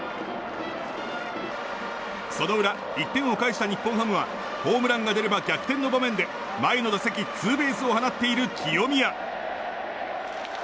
その裏、１点を返した日本ハムはホームランが出れば逆転の場面で前の打席ツーベースを放っている清宮。